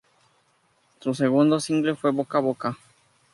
Su segundo single fue "Boca a boca".